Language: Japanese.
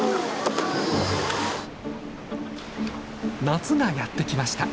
夏がやって来ました。